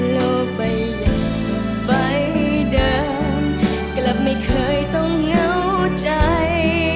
โลกไปอย่างเดิมไปเดิมกลับไม่เคยต้องเหงาใจ